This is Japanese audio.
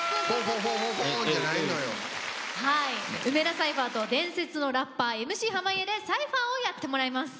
梅田サイファーと伝説のラッパーＭＣ濱家でサイファーをやってもらいます。